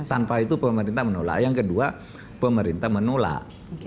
tanpa itu pemerintah menolak yang kedua pemerintah menolak